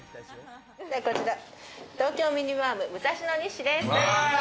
こちら、東京ミニバーム、武蔵野日誌です。